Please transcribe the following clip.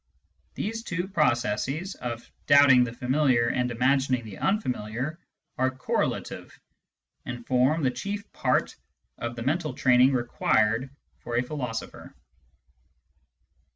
These two processes, of doubting the familiar and imagining the unfamiliar, are correlative, and form the chief part of the mental training required for a philosopher.